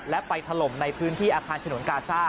และไปถล่มในพื้นที่อาคารฉนวนกาซ่า